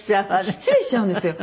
失礼しちゃうんですよ。